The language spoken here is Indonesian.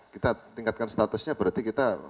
kita tingkatkan statusnya berarti kita